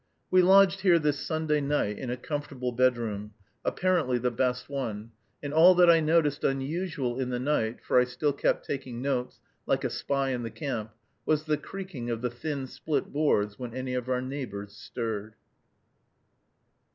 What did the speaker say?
We lodged here this Sunday night in a comfortable bedroom, apparently the best one; and all that I noticed unusual in the night for I still kept taking notes, like a spy in the camp was the creaking of the thin split boards, when any of our neighbors stirred.